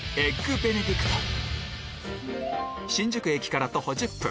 新宿駅から徒歩１０分